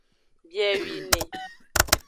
Biewine.